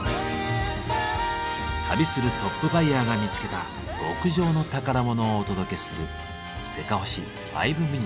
旅するトップバイヤーが見つけた極上の宝物をお届けする「せかほし５ｍｉｎ．」。